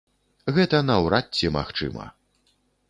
Гэта наўрад ці магчыма.